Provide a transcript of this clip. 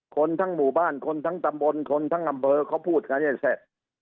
คนทั้งหมู่บ้านคนทั้งตำบลคนทั้งอำเภอเขาพูดกันเนี่ยแซะ